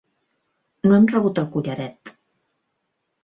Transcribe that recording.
No hem rebut el collaret.